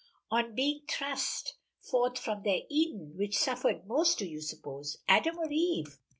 On being thrust forth from their Eden, which suffered most do you suppose, Adam or Eve?"